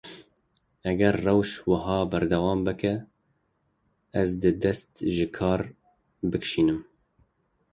Eger rewş wiha berdewam bike, ez dê dest ji kar bikişînim.